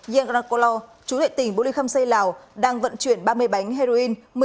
yang rakolo chú tệ tỉnh bô lê khâm xây lào đang vận chuyển ba mươi bánh heroin